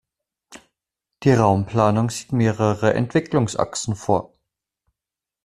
Die Raumplanung sieht mehrere Entwicklungsachsen vor.